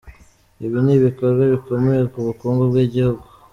Ibi ni ibikorwa bikomeye ku bukungu bw’igihugu.